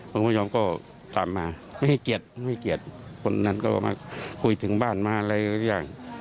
คุณผู้ชมก็ตามมาไม่ให้เกียรติไม่เกลียดคนนั้นก็มาคุยถึงบ้านมาอะไรสักอย่าง